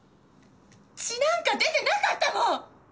血なんか出てなかったもん！